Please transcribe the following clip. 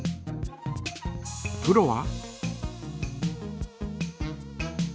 プロは？